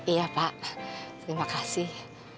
iya pak terima kasih